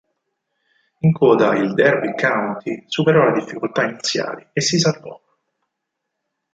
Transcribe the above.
In coda il Derby County superò le difficoltà iniziali e si salvò.